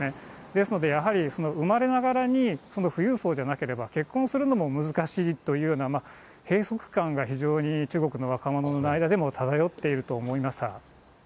ですのでやはり、生まれながらに、富裕層じゃなければ、結婚するのも難しいというような、閉塞感が非常に中国の若者の間でも漂っていると思いました。